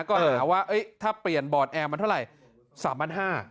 ก็หาว่าถ้าเปลี่ยนบอร์ดแอร์มันเท่าไหร่๓๕๐๐บาท